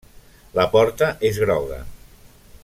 La porta és groga.